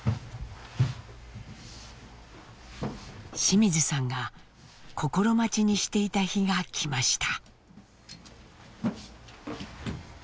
清水さんが心待ちにしていた日が来ました。